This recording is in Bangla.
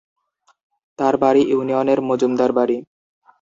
তার বাড়ি ইউনিয়নের মজুমদার বাড়ি।